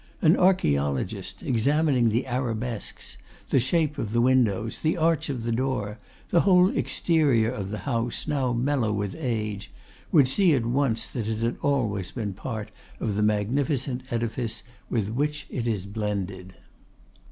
An archaeologist examining the arabesques, the shape of the windows, the arch of the door, the whole exterior of the house, now mellow with age, would see at once that it had always been a part of the magnificent edifice with which it is blended.